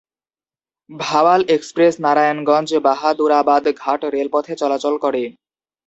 Bhawal express নারায়ণগঞ্জ-বাহাদুরাবাদ ঘাট রেলপথে চলাচল করে।